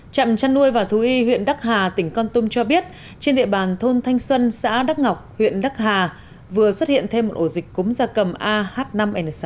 trạm chăn nuôi và thú y huyện đắc hà tỉnh con tum cho biết trên địa bàn thôn thanh xuân xã đắc ngọc huyện đắc hà vừa xuất hiện thêm một ổ dịch cúm gia cầm ah năm n sáu